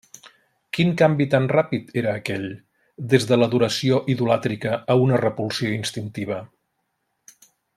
Quin canvi tan ràpid era aquell, des de l'adoració idolàtrica a una repulsió instintiva?